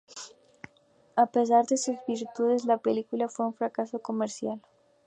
A pesar de sus virtudes, la película fue un fracaso comercial.